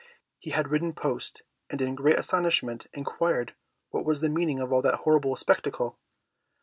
He had ridden post, and in great astonishment inquired what was the meaning of that horrible spectacle?